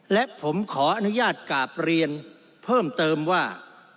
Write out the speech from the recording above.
และผมขออนุญาตกราบเรียนเพิ่มเติมว่า